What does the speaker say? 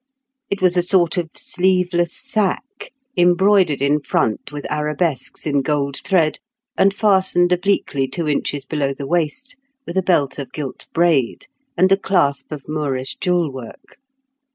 It was a sort of sleeveless sack, embroidered in front with arabesques in gold thread, and fastened obliquely two inches below the waist with a belt of gilt braid, and a clasp of Moorish jewel work.